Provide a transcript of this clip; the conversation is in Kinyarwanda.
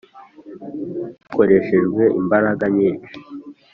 hakoreshejwe imbaraga nyinshi